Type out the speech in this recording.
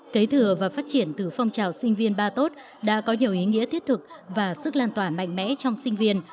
kế thừa và phát triển từ phong trào sinh viên ba tốt đã có nhiều ý nghĩa thiết thực và sức lan tỏa mạnh mẽ trong sinh viên